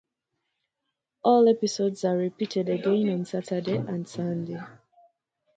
All episodes are repeated again on Saturday and Sunday.